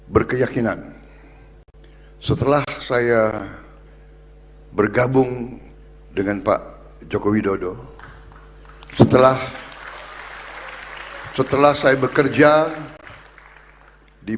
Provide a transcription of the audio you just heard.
berkeyakinan setelah saya bergabung dengan pak joko widodo setelah setelah saya bekerja di